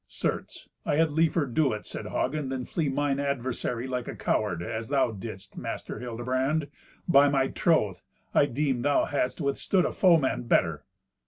"Certes, I had liefer do it," said Hagen, "than flee mine adversary like a coward, as thou didst, Master Hildebrand. By my troth, I deemed thou hadst withstood a foeman better."